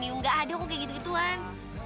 nggak aduh kok kayak gitu gituan